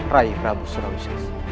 raih rabu surawisis